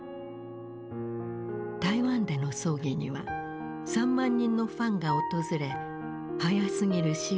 台湾での葬儀には３万人のファンが訪れ早すぎる死を悼んだ。